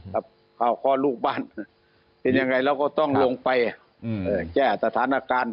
ข้าวเคาะลูกบ้านเป็นอย่างไรเราก็ต้องลงไปแจ้สถานะการณ์